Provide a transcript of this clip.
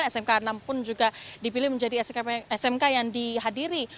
smk enam pun juga dipilih menjadi smk yang dihadiri